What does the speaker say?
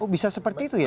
bisa seperti itu ya